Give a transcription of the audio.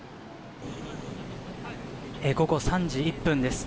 午後３時１分です。